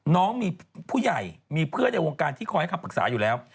น้องมีผู้ใหญ่มีเพื่อนในวงการที่คอยให้คำปรึกษาอยู่แล้ว